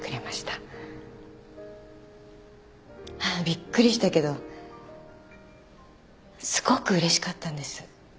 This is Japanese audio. びっくりしたけどすごくうれしかったんです。